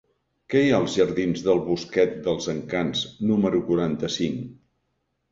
Què hi ha als jardins del Bosquet dels Encants número quaranta-cinc?